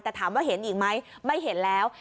แต่ถามว่าเห็นอีกไหมไม่เห็นแล้ว